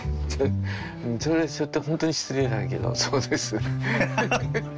それちょっとほんとに失礼だけどそうです。